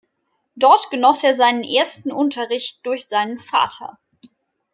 Dort genoss er seinen ersten Unterricht durch seinen Vater.